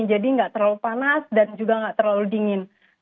jadi nggak terlalu panas dan juga nggak terlalu dingin